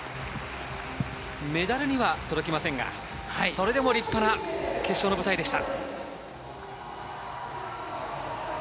メダルには届きませんがそれでも立派な決勝の舞台でした。